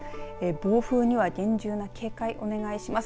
暴風には厳重な警戒お願いします。